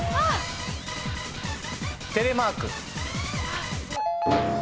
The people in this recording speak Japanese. テレマーク。